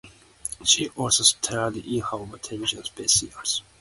She also starred in her own television specials.